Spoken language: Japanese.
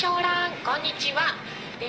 「こんにちは」。